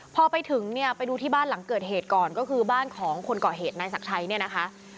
พอไปถึงเนี่ยไปดูที่บ้านหลังเกิดเหตุก่อนก็คือบ้านของคนก่อเหตุนายศักดิ์ชัยเนี่ยนะคะ